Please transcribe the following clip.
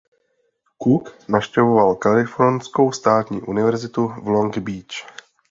Cook navštěvoval Kalifornskou státní Universitu v Long Beach.